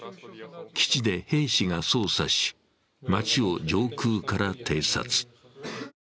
基地で兵士が操作し街を上空から偵察。